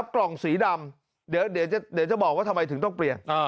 กล่องสีดำเดี๋ยวจะบอกว่าทำไมถึงต้องเปลี่ยน